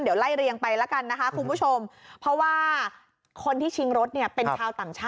เดี๋ยวไล่เรียงไปแล้วกันนะคะคุณผู้ชมเพราะว่าคนที่ชิงรถเนี่ยเป็นชาวต่างชาติ